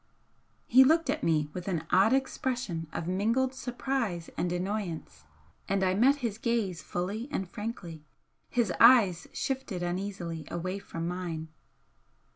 He looked at me with an odd expression of mingled surprise and annoyance, and I met his gaze fully and frankly. His eyes shifted uneasily away from mine.